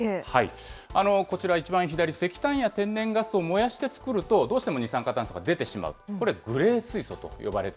こちら、一番左、石炭や天然ガスを燃やして製造すると、どうしても二酸化炭素が出てしまう。